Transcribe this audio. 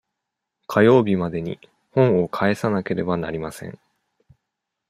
火曜日までに本を返さなければなりません。